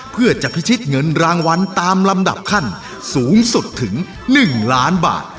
เพื่อจะพิชิตเงินรางวัลตามลำดับขั้นสูงสุดถึง๑ล้านบาท